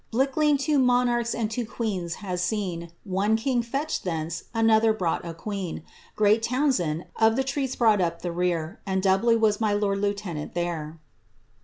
Blickling two monarchs and two queens has seen ;' One king fetched thence ^another brought a queen. Great Townsend, of the treats brought up the rear, And doubly was my lord lieutenant there."